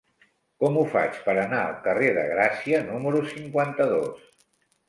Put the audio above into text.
Com ho faig per anar al carrer de Gràcia número cinquanta-dos?